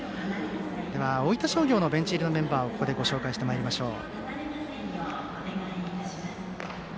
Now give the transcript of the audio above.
では大分商業のベンチ入りのメンバーをここでご紹介してまいりましょう。